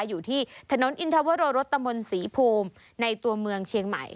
อยู่ที่ถนนอินทวโรรสตมศรีภูมิในตัวเมืองเชียงใหม่